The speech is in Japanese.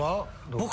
僕。